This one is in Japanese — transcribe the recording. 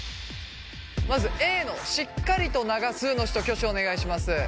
まずＡのしっかりと流すの人挙手をお願いします。